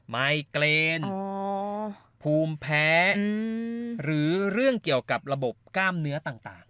ไมเกรนภูมิแพ้หรือเรื่องเกี่ยวกับระบบกล้ามเนื้อต่าง